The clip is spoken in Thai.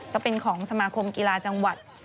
ก็เป็นของสมาคมกีฬาจังหวัด